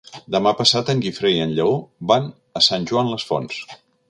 Demà passat en Guifré i en Lleó van a Sant Joan les Fonts.